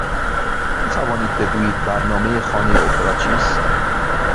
می توانید بگویید برنامه خانه اپرا چیست؟